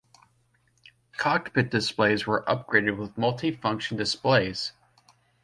Cockpit displays were upgraded with multi-function displays.